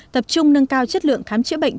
tập trung nâng cao chất lượng khám chữa bệnh